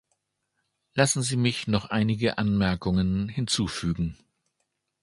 Lassen Sie mich noch einige Anmerkungen hinzufügen.